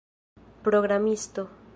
programisto